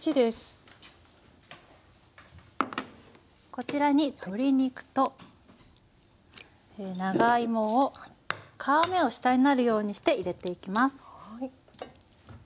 こちらに鶏肉と長芋を皮目を下になるようにして入れていきます。